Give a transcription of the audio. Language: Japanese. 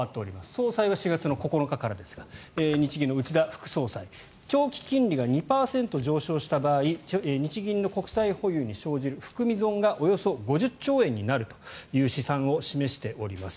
総裁は４月９日からですが日銀の内田副総裁長期金利が２％上昇した場合日銀の国債保有に生じる含み損がおよそ５０兆円になるという試算を示しております。